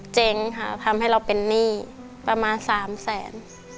เจ๊งค่ะทำให้เราเป็นหนี้ประมาณ๓แสน